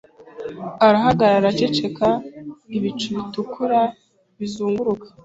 Arahagarara aceceka ibicu bitukura bizunguruka